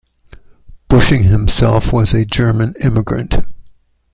Buesching himself was a German immigrant.